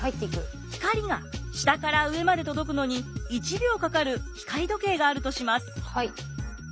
光が下から上まで届くのに１秒かかる光時計があるとします。